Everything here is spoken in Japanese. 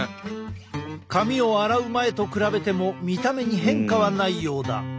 髪を洗う前と比べても見た目に変化はないようだ。